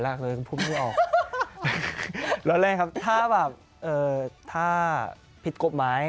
ร้อนเรงครับถ้าแบบถ้าพิจกฎหมาย